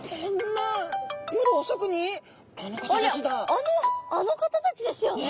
あのあの方たちですよね？